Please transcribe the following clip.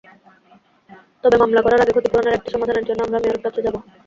তবে মামলা করার আগে ক্ষতিপূরণের একটি সমাধানের জন্য আমরা মেয়রের কাছে যাব।